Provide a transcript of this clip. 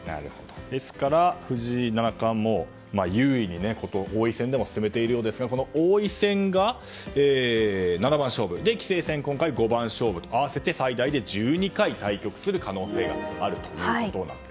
ですから、藤井七冠も優位に王位戦でも事を進めているようですが王位戦が七番勝負棋聖戦は五番勝負合わせて最大で１２回対局する可能性があると。